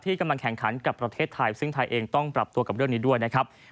กำลังแข่งขันกับประเทศไทยซึ่งไทยเองต้องปรับตัวกับเรื่องนี้ด้วยนะครับ